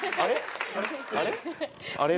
あれ？